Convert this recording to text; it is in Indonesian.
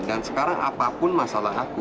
dan sekarang apapun masalah aku